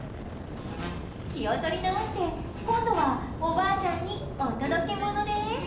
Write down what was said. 気を取り直して、今度はおばあちゃんにお届け物です。